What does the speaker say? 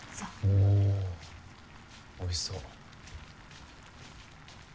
おおおいしそう。